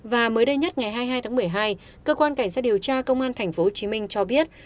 và mới đây nhất ngày hai mươi hai tháng một mươi hai cơ quan cảnh sát điều tra công an tp hcm cho biết